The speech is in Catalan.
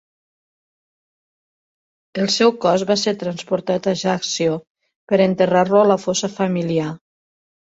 El seu cos va ser transportat a Ajaccio per enterrar-lo a la fossa familiar.